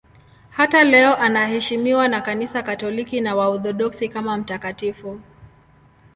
Hata leo anaheshimiwa na Kanisa Katoliki na Waorthodoksi kama mtakatifu.